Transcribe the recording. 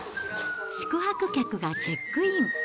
宿泊客がチェックイン。